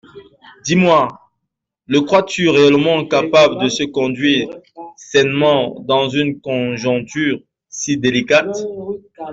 Dis-moi, le crois-tu réellement capable de se conduire sainement dans une conjoncture si délicate ?